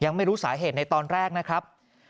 ไม่รู้สาเหตุในตอนแรกนะครับ